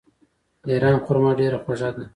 د ایران خرما ډیره خوږه ده.